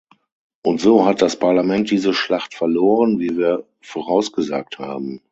Und so hat das Parlament diese Schlacht verloren, wie wir vorausgesagt haben.